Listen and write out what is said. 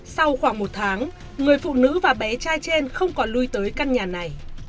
sau khoảng một tháng người phụ nữ và bé trai trên không còn lui tới căn nhà này